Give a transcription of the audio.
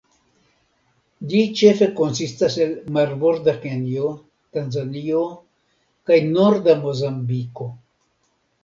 Ĝi ĉefe konsistas el marborda Kenjo, Tanzanio kaj norda Mozambiko.